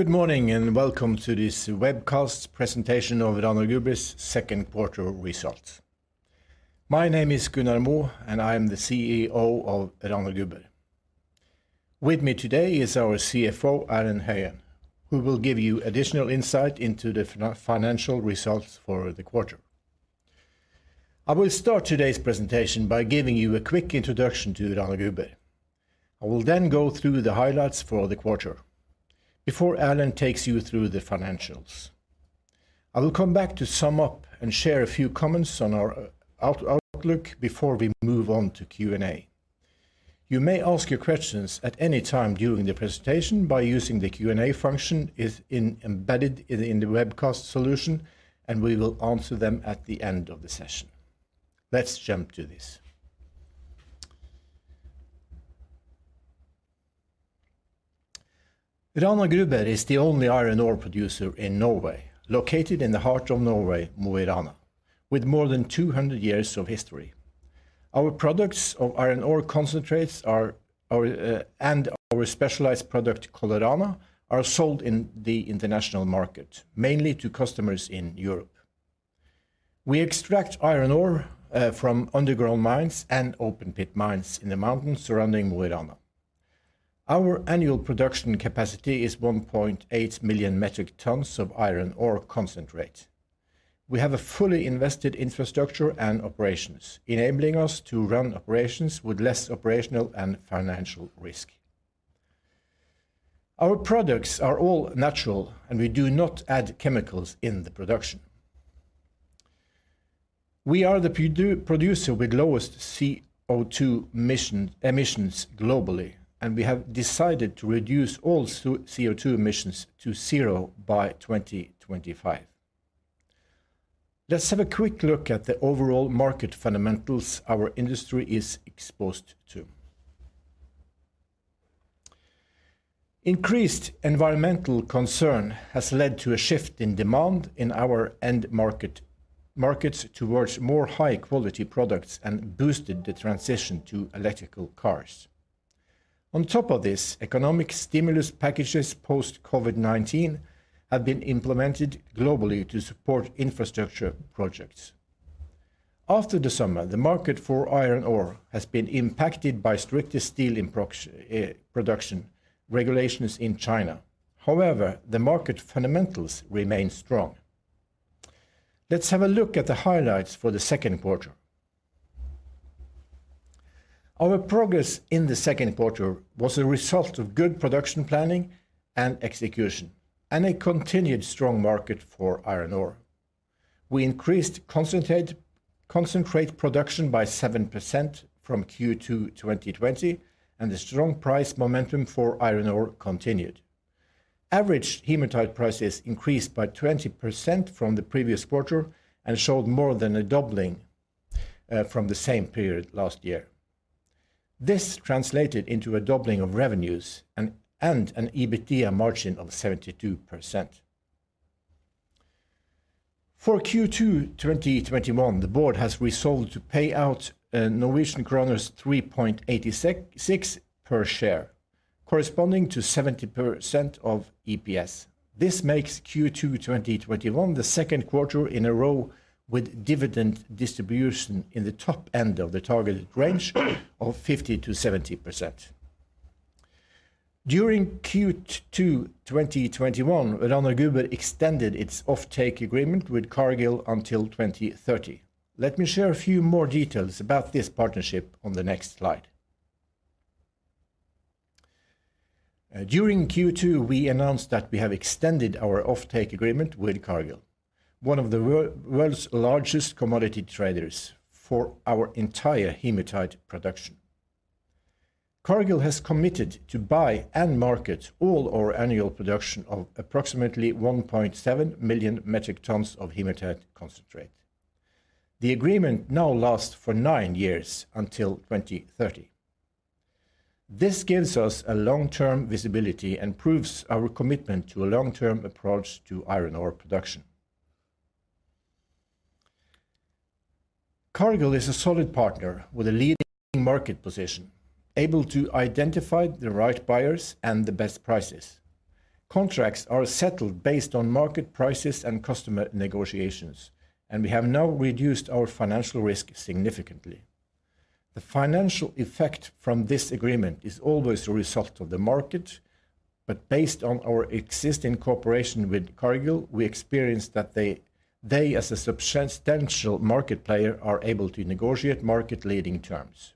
Good morning, and welcome to this webcast presentation of Rana Gruber's second quarter results. My name is Gunnar Moe, and I am the CEO of Rana Gruber. With me today is our CFO, Erlend Høyen, who will give you additional insight into the financial results for the quarter. I will start today's presentation by giving you a quick introduction to Rana Gruber. I will go through the highlights for the quarter before Erlend takes you through the financials. I will come back to sum up and share a few comments on our outlook before we move on to Q&A. You may ask your questions at any time during the presentation by using the Q&A function embedded in the webcast solution, and we will answer them at the end of the session. Let's jump to this. Rana Gruber is the only iron ore producer in Norway, located in the heart of Norway, Mo i Rana, with more than 200 years of history. Our products of iron ore concentrates and our specialized product, Colorana, are sold in the international market, mainly to customers in Europe. We extract iron ore from underground mines and open-pit mines in the mountains surrounding Mo i Rana. Our annual production capacity is 1.8 million metric tons of iron ore concentrate. We have a fully invested infrastructure and operations, enabling us to run operations with less operational and financial risk. Our products are all natural, and we do not add chemicals in the production. We are the producer with lowest CO2 emissions globally, and we have decided to reduce all CO2 emissions to zero by 2025. Let's have a quick look at the overall market fundamentals our industry is exposed to. Increased environmental concern has led to a shift in demand in our end markets towards more high-quality products and boosted the transition to electrical cars. On top of this, economic stimulus packages post-COVID-19 have been implemented globally to support infrastructure projects. After the summer, the market for iron ore has been impacted by stricter steel production regulations in China. However, the market fundamentals remain strong. Let's have a look at the highlights for the second quarter. Our progress in the second quarter was a result of good production planning and execution and a continued strong market for iron ore. We increased concentrate production by 7% from Q2 2020, and the strong price momentum for iron ore continued. Average hematite prices increased by 20% from the previous quarter and showed more than a doubling from the same period last year. This translated into a doubling of revenues and an EBITDA margin of 72%. For Q2 2021, the board has resolved to pay out 3.86 per share, corresponding to 70% of EPS. This makes Q2 2021 the second quarter in a row with dividend distribution in the top end of the targeted range of 50%-70%. During Q2 2021, Rana Gruber extended its offtake agreement with Cargill until 2030. Let me share a few more details about this partnership on the next slide. During Q2, we announced that we have extended our offtake agreement with Cargill, one of the world's largest commodity traders for our entire hematite production. Cargill has committed to buy and market all our annual production of approximately 1.7 million metric tons of hematite concentrate. The agreement now lasts for nine years until 2030. This gives us a long-term visibility and proves our commitment to a long-term approach to iron ore production. Cargill is a solid partner with a leading market position, able to identify the right buyers and the best prices. Contracts are settled based on market prices and customer negotiations, and we have now reduced our financial risk significantly. The financial effect from this agreement is always a result of the market, but based on our existing cooperation with Cargill, we experience that they as a substantial market player, are able to negotiate market-leading terms.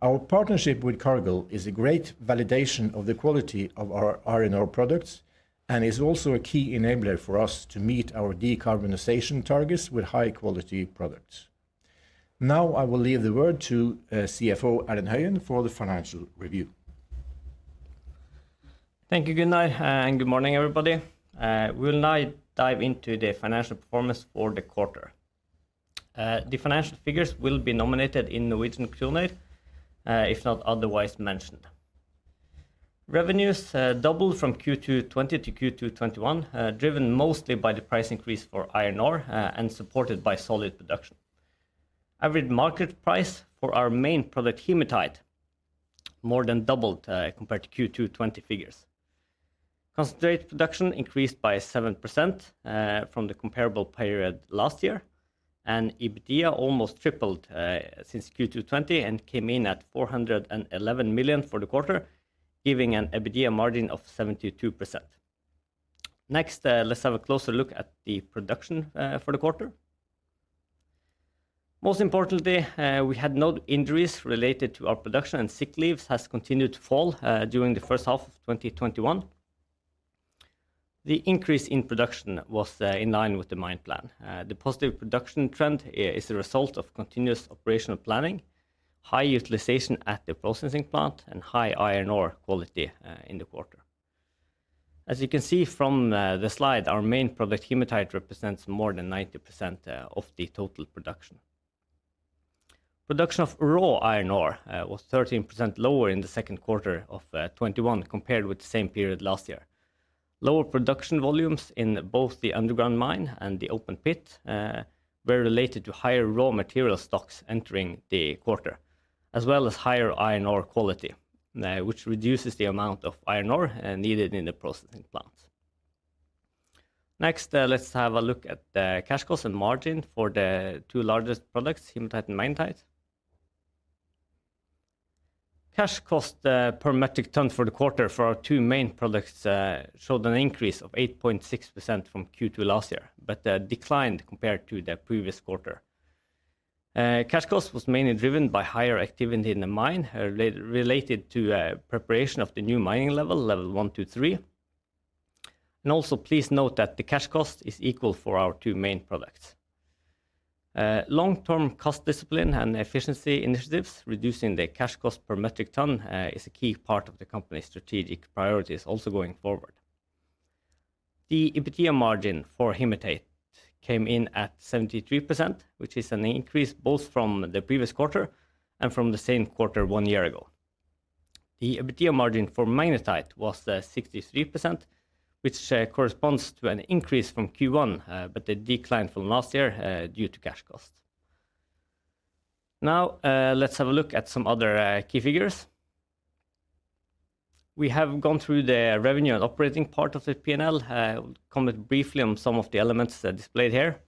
Our partnership with Cargill is a great validation of the quality of our iron ore products and is also a key enabler for us to meet our decarbonization targets with high-quality products. Now I will leave the word to CFO Erlend Høyen for the financial review. Thank you, Gunnar, and good morning, everybody. We will now dive into the financial performance for the quarter. The financial figures will be nominated in Norwegian kroner, if not otherwise mentioned. Revenues doubled from Q2 2020 to Q2 2021, driven mostly by the price increase for iron ore and supported by solid production. Average market price for our main product, hematite, more than doubled compared to Q2 2020 figures. Concentrate production increased by 7% from the comparable period last year. EBITDA almost tripled since Q2 2020 and came in at 411 million for the quarter, giving an EBITDA margin of 72%. Next, let's have a closer look at the production for the quarter. Most importantly, we had no injuries related to our production, and sick leaves has continued to fall during the first half of 2021. The increase in production was in line with the mine plan. The positive production trend is the result of continuous operational planning, high utilization at the processing plant, and high iron ore quality in the quarter. As you can see from the slide, our main product, hematite, represents more than 90% of the total production. Production of raw iron ore was 13% lower in the second quarter of 2021 compared with the same period last year. Lower production volumes in both the underground mine and the open pit were related to higher raw material stocks entering the quarter, as well as higher iron ore quality, which reduces the amount of iron ore needed in the processing plant. Next, let's have a look at the cash cost and margin for the two largest products, hematite and magnetite. Cash cost per metric ton for the quarter for our two main products showed an increase of 8.6% from Q2 last year, but declined compared to the previous quarter. Cash cost was mainly driven by higher activity in the mine related to preparation of the new mining level 1, 2, 3. Also please note that the cash cost is equal for our two main products. Long-term cost discipline and efficiency initiatives, reducing the cash cost per metric ton is a key part of the company's strategic priorities also going forward. The EBITDA margin for hematite came in at 73%, which is an increase both from the previous quarter and from the same quarter one year ago. The EBITDA margin for magnetite was 63%, which corresponds to an increase from Q1, but a decline from last year due to cash cost. Now, let's have a look at some other key figures. We have gone through the revenue and operating part of the P&L. I will comment briefly on some of the elements that are displayed here.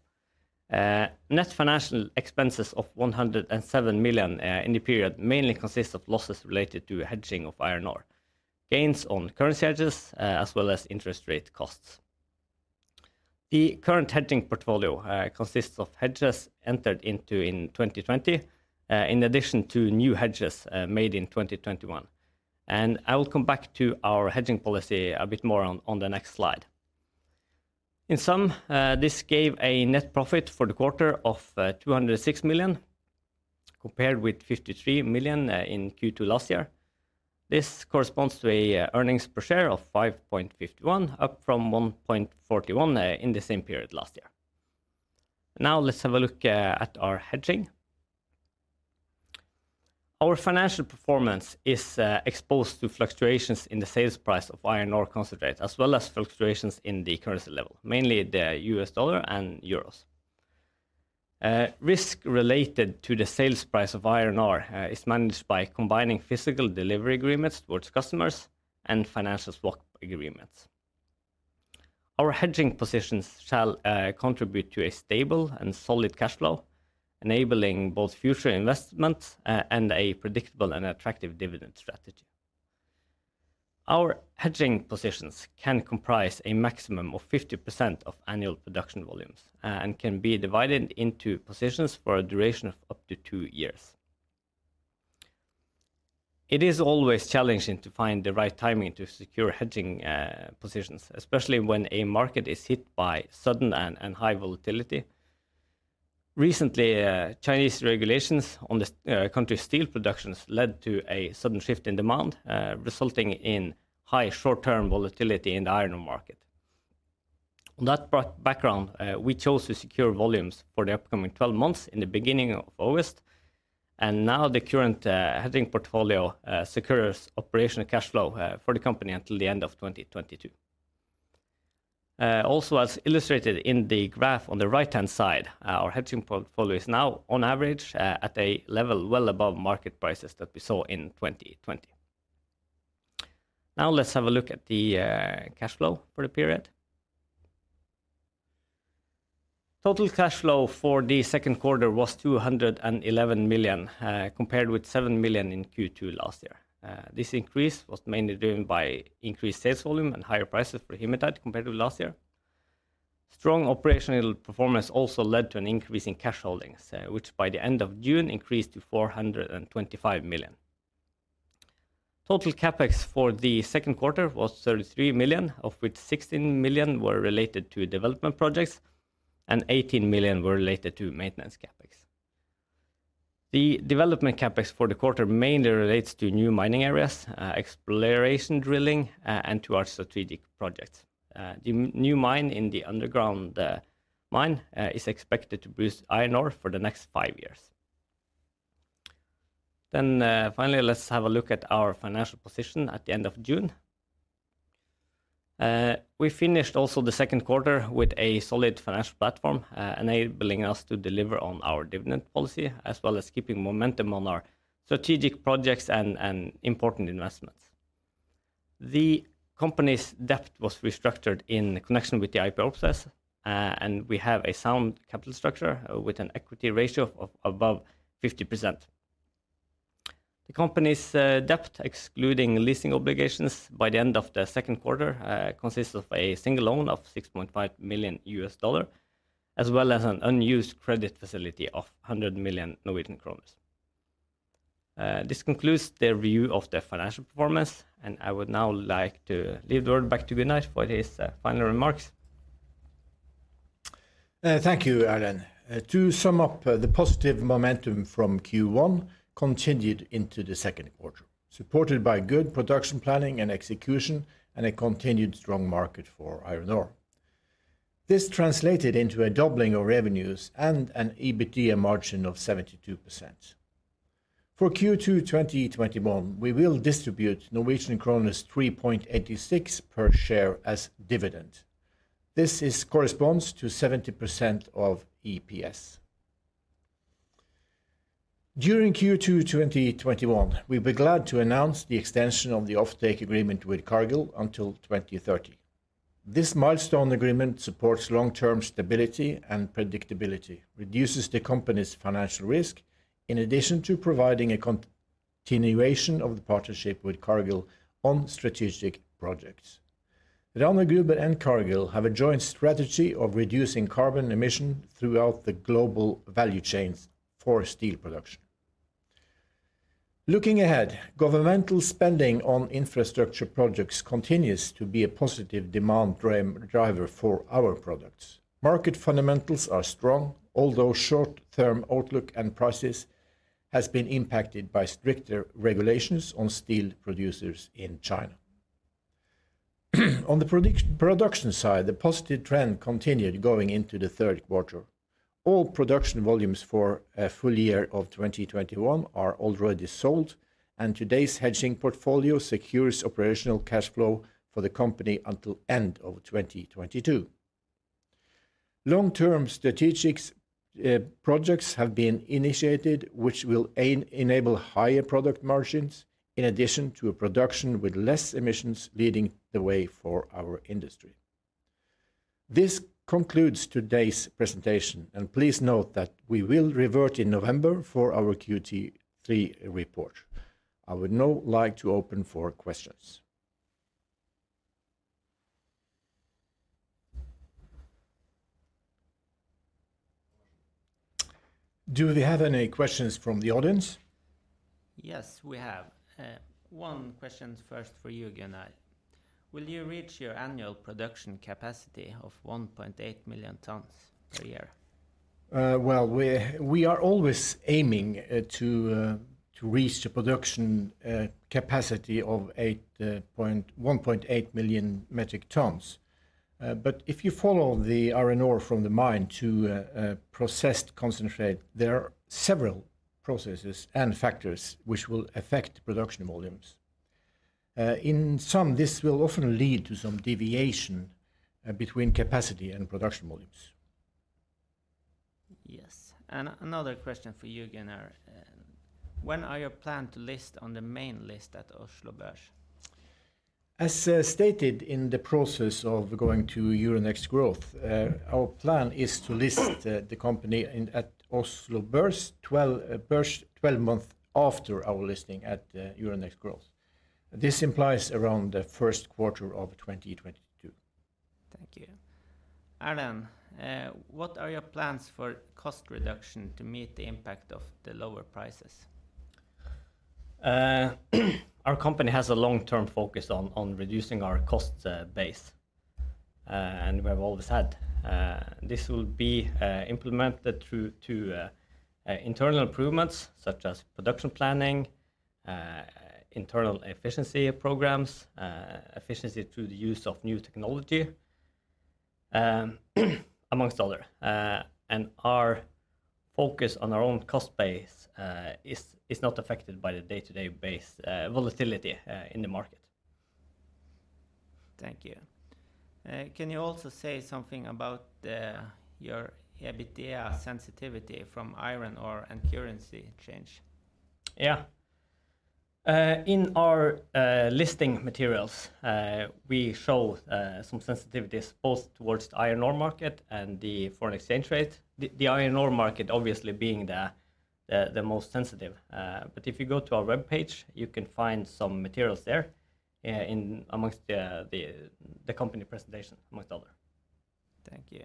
Net financial expenses of 107 million in the period mainly consists of losses related to hedging of iron ore, gains on currency hedges, as well as interest rate costs. The current hedging portfolio consists of hedges entered into in 2020, in addition to new hedges made in 2021. I will come back to our hedging policy a bit more on the next slide. In sum, this gave a net profit for the quarter of 206 million, compared with 53 million in Q2 last year. This corresponds to an earnings per share of 5.51, up from 1.41 in the same period last year. Let's have a look at our hedging. Our financial performance is exposed to fluctuations in the sales price of iron ore concentrate, as well as fluctuations in the currency level, mainly the US dollar and euros. Risk related to the sales price of iron ore is managed by combining physical delivery agreements towards customers and financial swap agreements. Our hedging positions shall contribute to a stable and solid cash flow, enabling both future investments and a predictable and attractive dividend strategy. Our hedging positions can comprise a maximum of 50% of annual production volumes and can be divided into positions for a duration of up to two years. It is always challenging to find the right timing to secure hedging positions, especially when a market is hit by sudden and high volatility. Recently, Chinese regulations on the country's steel productions led to a sudden shift in demand, resulting in high short-term volatility in the iron ore market. On that background, we chose to secure volumes for the upcoming 12 months in the beginning of August, and now the current hedging portfolio secures operational cash flow for the company until the end of 2022. As illustrated in the graph on the right-hand side, our hedging portfolio is now on average at a level well above market prices that we saw in 2020. Let's have a look at the cash flow for the period. Total cash flow for the second quarter was 211 million, compared with 7 million in Q2 last year. This increase was mainly driven by increased sales volume and higher prices for hematite compared to last year. Strong operational performance also led to an increase in cash holdings, which by the end of June increased to 425 million. Total CapEx for the second quarter was 33 million, of which 16 million were related to development projects and 18 million were related to maintenance CapEx. The development CapEx for the quarter mainly relates to new mining areas, exploration drilling, and to our strategic projects. The new mine in the underground mine is expected to boost iron ore for the next five years. Finally, let's have a look at our financial position at the end of June. We finished also the second quarter with a solid financial platform, enabling us to deliver on our dividend policy as well as keeping momentum on our strategic projects and important investments. The company's debt was restructured in connection with the IPO process, and we have a sound capital structure with an equity ratio of above 50%. The company's debt, excluding leasing obligations by the end of the second quarter, consists of a single loan of $6.5 million, as well as an unused credit facility of 100 million Norwegian kroner. This concludes the review of the financial performance. I would now like to leave the word back to Gunnar for his final remarks. Thank you, Erlend. To sum up the positive momentum from Q1 continued into the second quarter, supported by good production planning and execution and a continued strong market for iron ore. This translated into a doubling of revenues and an EBITDA margin of 72%. For Q2 2021, we will distribute 3.86 per share as dividend. This corresponds to 70% of EPS. During Q2 2021, we were glad to announce the extension of the offtake agreement with Cargill until 2030. This milestone agreement supports long-term stability and predictability, reduces the company's financial risk, in addition to providing a continuation of the partnership with Cargill on strategic projects. Rana Gruber and Cargill have a joint strategy of reducing carbon emission throughout the global value chains for steel production. Looking ahead, governmental spending on infrastructure projects continues to be a positive demand driver for our products. Market fundamentals are strong, although short-term outlook and prices has been impacted by stricter regulations on steel producers in China. On the production side, the positive trend continued going into the third quarter. All production volumes for a full year of 2021 are already sold, and today's hedging portfolio secures operational cash flow for the company until end of 2022. Long-term strategic projects have been initiated which will enable higher product margins in addition to a production with less emissions leading the way for our industry. This concludes today's presentation, and please note that we will revert in November for our Q3 report. I would now like to open for questions. Do we have any questions from the audience? Yes, we have. One question first for you, Gunnar. Will you reach your annual production capacity of 1.8 million tons per year? Well, we are always aiming to reach the production capacity of 1.8 million metric tons. If you follow the iron ore from the mine to processed concentrate, there are several processes and factors which will affect production volumes. In sum, this will often lead to some deviation between capacity and production volumes. Yes. Another question for you, Gunnar. When are your plan to list on the main list at Oslo Børs? As stated in the process of going to Euronext Growth, our plan is to list the company at Oslo Børs 12 month after our listing at Euronext Growth. This implies around the first quarter of 2022. Thank you. Erlend, what are your plans for cost reduction to meet the impact of the lower prices? Our company has a long-term focus on reducing our cost base, and we have always had. This will be implemented through internal improvements such as production planning, internal efficiency programs, efficiency through the use of new technology, amongst other. Our focus on our own cost base is not affected by the day-to-day base volatility in the market. Thank you. Can you also say something about your EBITDA sensitivity from iron ore and currency change? Yeah. In our listing materials, we show some sensitivities both towards the iron ore market and the foreign exchange rate. The iron ore market obviously being the most sensitive. If you go to our webpage, you can find some materials there amongst the company presentation amongst other. Thank you.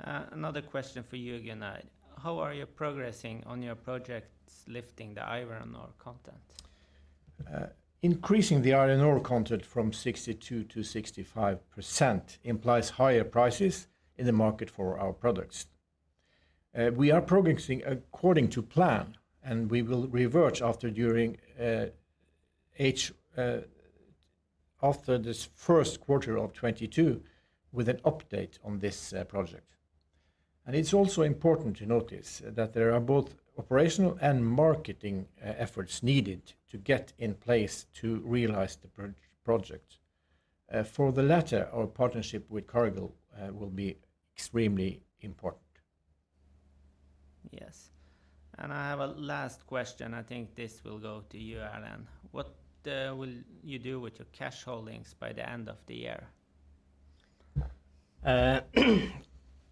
Another question for you, Gunnar. How are you progressing on your projects lifting the iron ore content? Increasing the iron ore content from 62% to 65% implies higher prices in the market for our products. We are progressing according to plan, and we will revert after this first quarter of 2022 with an update on this project. It's also important to notice that there are both operational and marketing efforts needed to get in place to realize the project. For the latter, our partnership with Cargill will be extremely important. Yes. I have a last question. I think this will go to you, Erlend. What will you do with your cash holdings by the end of the year?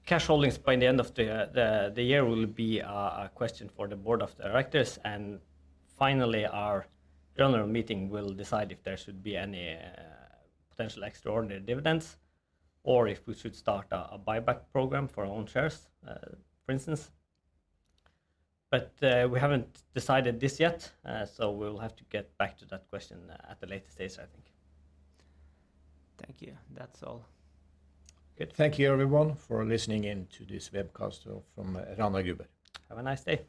Cash holdings by the end of the year will be a question for the board of directors. Finally, our general meeting will decide if there should be any potential extraordinary dividends or if we should start a buyback program for our own shares, for instance. We haven't decided this yet. We'll have to get back to that question at a later date, I think. Thank you. That's all. Good. Thank you everyone for listening in to this webcast from Rana Gruber. Have a nice day.